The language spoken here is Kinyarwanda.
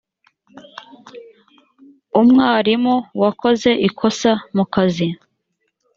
umwarimu wakoze ikosa mu kazi